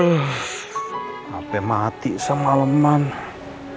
apa yang ada di kam arrays jadi apa tidak kunyit